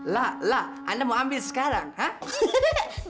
lah lah anda mau ambil sekarang hah